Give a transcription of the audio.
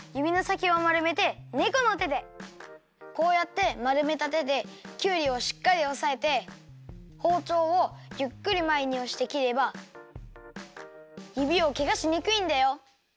こうやってまるめた手できゅうりをしっかりおさえてほうちょうをゆっくりまえにおして切ればゆびをけがしにくいんだよ。